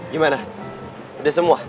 gimana udah semua